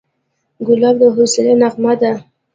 ګلاب د حوصلې نغمه ده.